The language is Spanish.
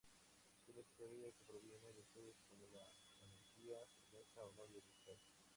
Es una historia que promueve virtudes como la valentía, firmeza, honor y amistad.